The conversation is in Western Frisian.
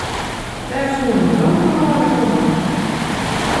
Wêr soenen we no telâne komme?